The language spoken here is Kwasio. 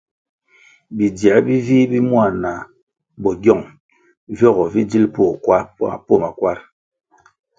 Bidziē bi vih bi mua na bogyong viogo vi dzil poh makwar.